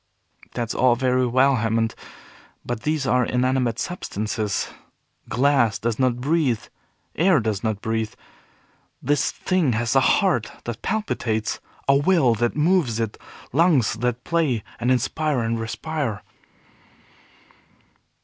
"That's all very well, Hammond, but these are inanimate substances. Glass does not breathe, air does not breathe. This thing has a heart that palpitates, a will that moves it, lungs that play, and inspire and respire."